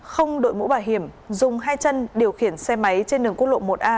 không đội mũ bảo hiểm dùng hai chân điều khiển xe máy trên đường quốc lộ một a